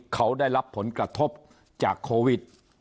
เขาได้รับผลกระทบจากโควิด